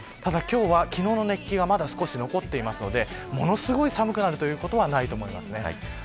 昨日の熱気がまだ残っているのでものすごく寒くなるということはないと思います。